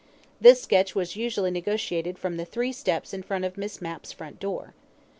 This sketch was usually negotiated from the three steps in front of Miss Mapp's front door.